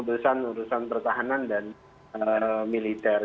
urusan pertahanan dan militer